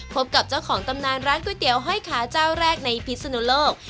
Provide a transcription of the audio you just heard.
พบกับเจ้าของตำนานร้านก๋วยเตี๋ยวห้อยขาเจ้าแรกในพิศนุโลก